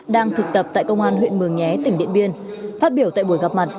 đang thực tập tại công an huyện mường nhé tỉnh điện biên phát biểu tại buổi gặp mặt